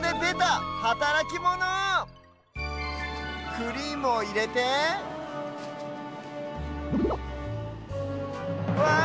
クリームをいれてわあ！